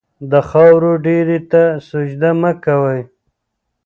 د خاورو ډېري ته سجده مه کوئ.